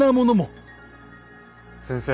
先生。